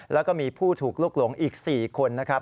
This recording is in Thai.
แล้วก็มีผู้ถูกลุกหลงอีก๔คนนะครับ